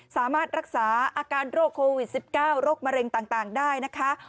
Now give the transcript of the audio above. สามารถรักษาอาการโรคโควิด๑๙โรคมะเร็งต่างได้นะคะ